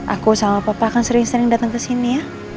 aku sama papa akan sering sering datang kesini ya